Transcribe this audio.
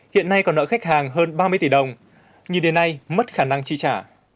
hiện nay còn nợ khách hàng hơn ba mươi tỷ đồng như đến nay mất khả năng tri trả